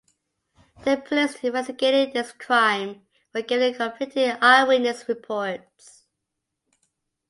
The police investigating this crime were given conflicting eyewitness reports.